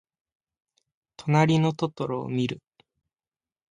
となりのトトロをみる。